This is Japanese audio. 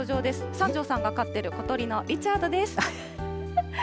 三條さんが飼ってる小鳥のリチャードです。